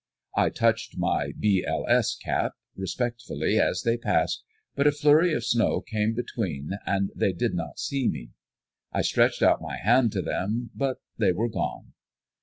I touched my "B. L. S." cap respectfully as they passed, but a flurry of snow came between and they did not see me. I stretched out my hand to them, but they were gone.